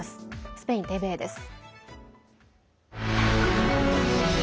スペインＴＶＥです。